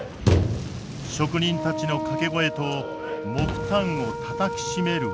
職人たちの掛け声と木炭をたたきしめる音。